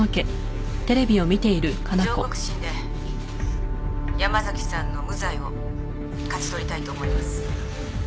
「上告審で山崎さんの無罪を勝ち取りたいと思います」